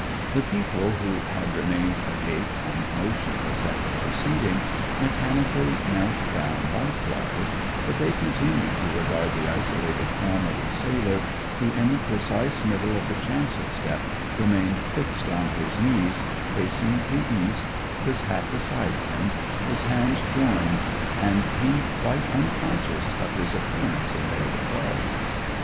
The people, who had remained agape and motionless at the proceeding, mechanically knelt down likewise; but they continued to regard the isolated form of the sailor who, in the precise middle of the chancel step, remained fixed on his knees, facing the east, his hat beside him, his hands joined, and he quite unconscious of his appearance in their regard.